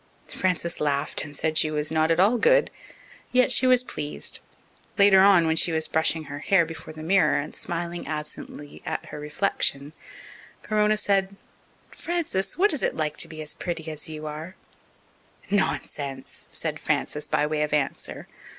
Frances laughed and said she was not at all good. Yet she was pleased. Later on, when she was brushing her hair before the mirror and smiling absently at her reflection, Corona said: "Frances, what is it like to be as pretty as you are?" "Nonsense!" said Frances by way of answer.